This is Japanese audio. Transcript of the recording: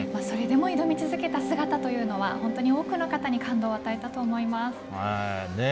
それでも挑み続けた姿というのは多くの方に感動を与えたと思います。